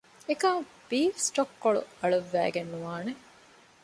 އެކަމަކު ބީފް ސްޓޮކް ކޮޅު އަޅުއްވައިގެން ނުވާނެ